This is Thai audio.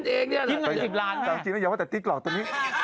ฉันพึ่งมาเล่นเองเนี่ยจริงอย่าว่าแต่ติ๊กต๊อกตัวนี้